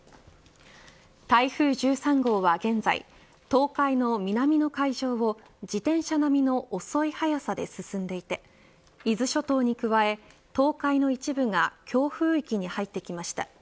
台風１３号は現在東海の南の海上を自転車並みの遅い速さで進んでいて伊豆諸島に加え、東海の一部が強風域に入ってきました。